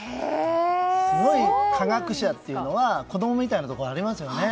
すごい科学者というのは子供みたいなところがありますよね。